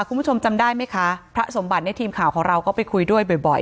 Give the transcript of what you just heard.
คุณผู้ชมจำได้ไหมคะพระสมบัติในทีมข่าวของเราก็ไปคุยด้วยบ่อย